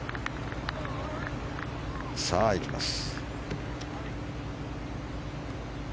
さあ、行きます。